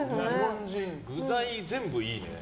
具材、全部いいね。